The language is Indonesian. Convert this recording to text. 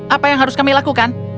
apa yang harus kami lakukan